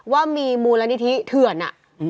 ว่ามีมูลนิธิเถื่อน